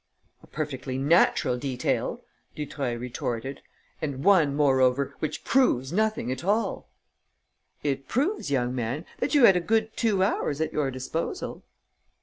"A perfectly natural detail," Dutreuil retorted, "and one, moreover, which proves nothing at all." "It proves, young man, that you had a good two hours at your disposal."